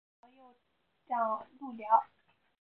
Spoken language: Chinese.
张路寮又掌路寮。